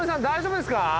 大丈夫！